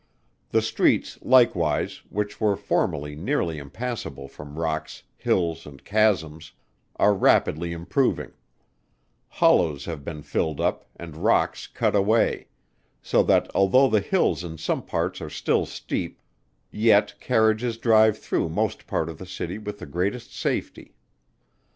The streets, likewise, which were formerly nearly impassable from rocks, hills and chasms, are rapidly improving; hollows have been filled up, and rocks cut away; so that although the hills in some parts are still steep, yet carriages drive through most part of the city with the greatest safety.